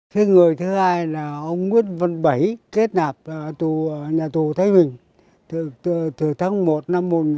thế người thứ hai là ông nguyễn văn bảy kết nạp tù nhà tù thái bình từ tháng một năm một nghìn chín trăm bảy mươi